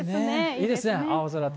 いいですね、青空と。